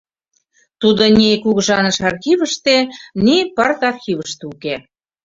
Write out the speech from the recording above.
Тудо ни кугыжаныш архивыште, ни партархивыште уке.